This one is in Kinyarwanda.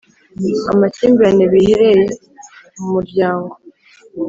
Amakimbirane bihereye mu muryango .